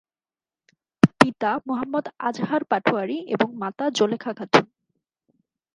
পিতা মোহাম্মদ আজহার পাটোয়ারি এবং মাতা জোলেখা খাতুন।